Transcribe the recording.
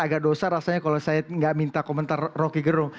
agak dosa rasanya kalau saya nggak minta komentar rocky gerung